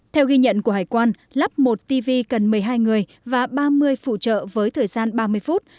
theo ghi nhận của hải quan lắp một tv cần một mươi hai người và ba mươi phụ trợ với thời gian ba mươi phút